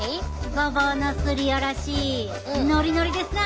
ごぼうのすりおろしノリノリですな。